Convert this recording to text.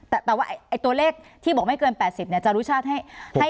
แต่ว่าตัวเลขที่บอกไม่เกิน๘๐จารุชาติให้